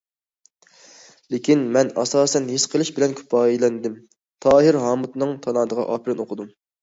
لېكىن مەن ئاساسەن ھېس قىلىش بىلەن كۇپايىلەندىم، تاھىر ھامۇتنىڭ تالانتىغا ئاپىرىن ئوقۇدۇم.